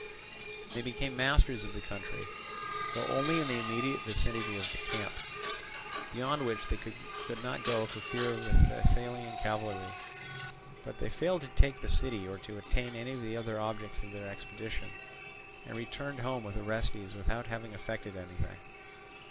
They became masters of the country, though only in the immediate vicinity of the camp; beyond which they could not go for fear of the Thessalian cavalry. But they failed to take the city or to attain any of the other objects of their expedition, and returned home with Orestes without having effected anything.